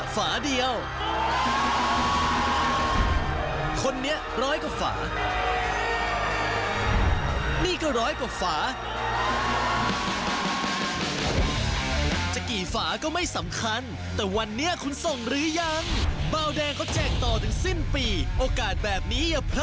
โปรดติดตามตอนต่อไป